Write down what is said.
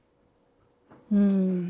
うん。